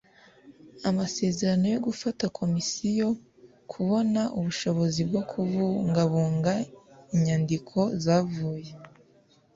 amasezerano yo gufasha komisiyo kubona ubushobozi bwo kubungabunga inyandiko zavuye